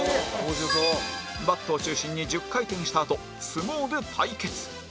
バットを中心に１０回転したあと相撲で対決